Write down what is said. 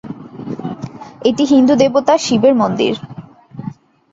এটি হিন্দু দেবতা শিবের মন্দির।